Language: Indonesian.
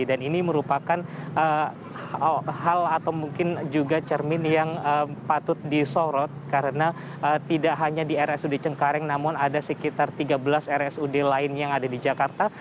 dan ini merupakan hal atau mungkin juga cermin yang patut disorot karena tidak hanya di rsud cengkareng namun ada sekitar tiga belas rsud lain yang ada di jakarta